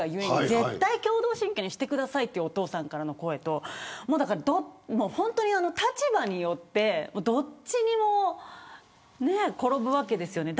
絶対、共同親権にしてくださいというお父さんからの声と本当に立場によって、どっちにも転ぶわけですよね。